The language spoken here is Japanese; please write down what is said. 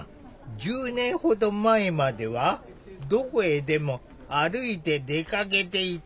１０年ほど前まではどこへでも歩いて出かけていた。